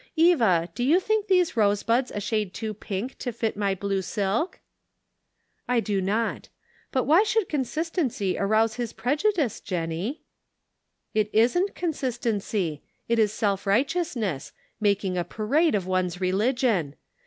Eva, do you think these rose buds a shade too pink to fit my blue silk?" "I think not. But why should consistency arouse his prejudice, Jennie?" " It isn't consistency. It is self righteous ness — making a parade of one's religion.